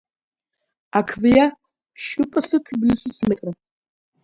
აქვეა შპს „თბილისის მეტრო“.